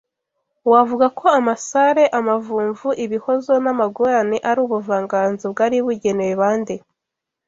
wavuga ko amasare amavumvu ibihozo n’amagorane ari ubuvanganzo bwari bugenewe ba nde